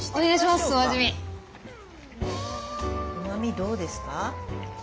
うまみどうですか？